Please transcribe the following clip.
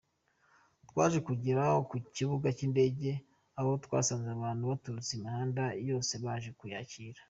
Twaje kugera ku kibuga cy’indege aho twasanze abantu baturutse imihanda yose baje kuyakira.